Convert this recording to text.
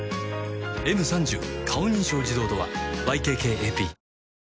「Ｍ３０ 顔認証自動ドア」ＹＫＫＡＰ